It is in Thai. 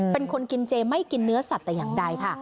เป็นคนกินเจไม่กินเนื้อสัตว์แต่อย่างใดค่ะ